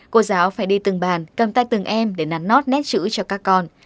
cô giáo phải đi từng bàn cầm tay từng em để nắn nót nét chữ cho các con